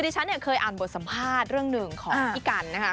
ฉันเนี่ยเคยอ่านบทสัมภาษณ์เรื่องหนึ่งของพี่กันนะคะ